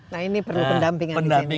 nah ini perlu pendampingan di sini